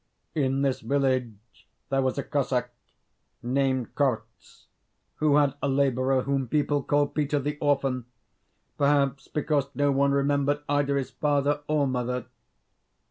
In this village there was a Cossack named Korzh, who had a labourer whom people called Peter the Orphan perhaps because no one remembered either his father or mother.